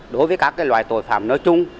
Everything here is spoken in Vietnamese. đối với các loại tội phạm nói chung